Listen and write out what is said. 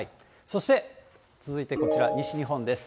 そして続いてこちら、西日本です。